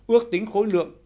ước tính khối lượng